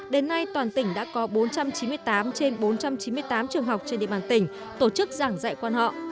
đến nay toàn tỉnh đã có bốn trăm chín mươi tám trên bốn trăm chín mươi tám trường học trên địa bàn tỉnh tổ chức giảng dạy quan họ